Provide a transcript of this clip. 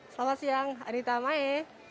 selamat siang anita mae